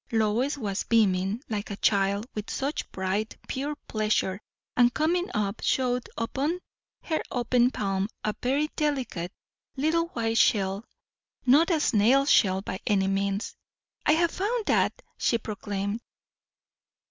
Lois was beaming, like a child, with such bright, pure pleasure; and coming up, showed upon her open palm a very delicate little white shell, not a snail shell by any means. "I have found that!" she proclaimed.